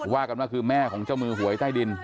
ว่ากันว่าคือแม่ของเจ้ามือหวยใต้ดิน